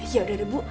ya udah deh bu